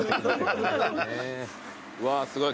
うわーすごい。